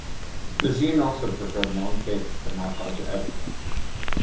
Bazin also preferred long takes to montage editing.